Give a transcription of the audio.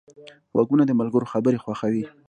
غوږونه د ملګرو خبرې خوښوي